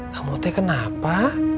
kamu teh kenapa